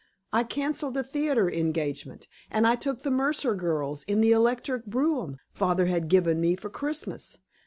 I canceled a theater engagement, and I took the Mercer girls in the electric brougham father had given me for Christmas.